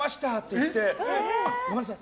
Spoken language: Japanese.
あっ、ごめんなさい。